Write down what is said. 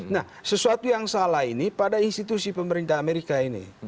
nah sesuatu yang salah ini pada institusi pemerintah amerika ini